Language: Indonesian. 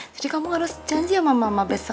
jadi kamu harus janji sama mama besok